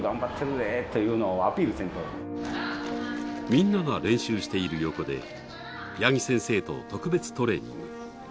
みんなが練習している横で八木先生と特別トレーニング。